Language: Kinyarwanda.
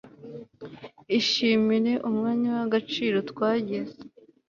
ishimire umwanya w'agaciro twagize